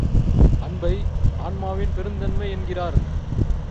அன்பை ஆன்மாவின் பெருந்தன்மை என்கிறார்.